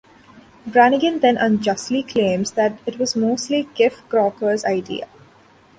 Brannigan then unjustly claims that it was mostly Kif Kroker's idea.